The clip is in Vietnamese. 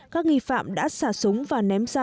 các nghi phạm đã xả súng và ném ra